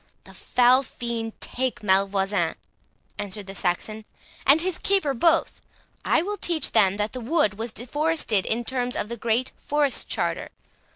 "The foul fiend take Malvoisin," answered the Saxon, "and his keeper both! I will teach them that the wood was disforested in terms of the great Forest Charter.